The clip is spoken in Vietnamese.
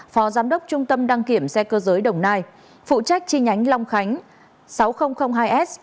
phó giám đốc trung tâm đăng kiểm xe cơ giới đồng nai phụ trách chi nhánh long khánh sáu nghìn hai s